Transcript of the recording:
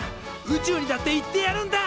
宇宙にだって行ってやるんだ！